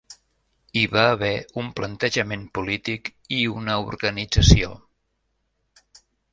Hi va haver un plantejament polític i una organització.